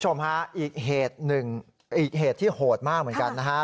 คุณผู้ชมฮะอีกเหตุหนึ่งอีกเหตุที่โหดมากเหมือนกันนะฮะ